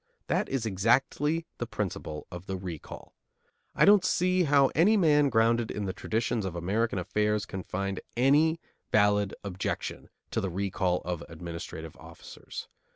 That is exactly the principle of the recall. I don't see how any man grounded in the traditions of American affairs can find any valid objection to the recall of administrative officers.